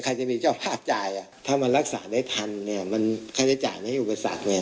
ใครจะมีเจ้าภาพจ่ายอ่ะถ้ามันรักษาได้ทันเนี่ยมันใครจะจ่ายมันให้อุปสรรคเนี่ย